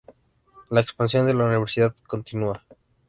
La expansión de la universidad continúa.